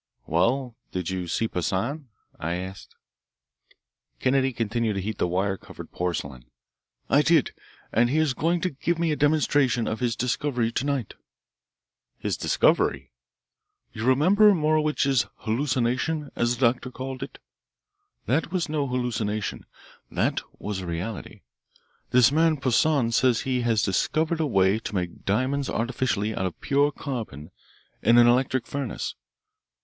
"Well, did you see Poissan?" I asked. Kennedy continued to heat the wire covered porcelain. "I did, and he is going to give me a demonstration of his discovery to night." "His discovery!" "You remember Morowitch's 'hallucination,' as the doctor called it? That was no hallucination; that was a reality. This man Poissan says he has discovered a way to make diamonds artificially out of pure carbon in an electric furnace.